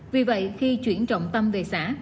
vì vậy khi chuyển trọng tâm về xã